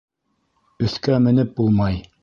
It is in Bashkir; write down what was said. Өҫкә менеп булмай.